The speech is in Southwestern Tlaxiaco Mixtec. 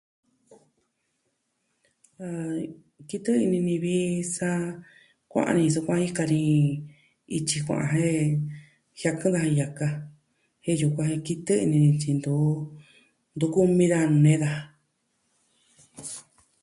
Ah... kitɨ ini ni vi sa Kua'an ni sukuan jika ni, ityi kua'an jen jiakɨn da yaka jen yukuan kitɨ ini ni tyi ntu... ntu kumi daa nee daa.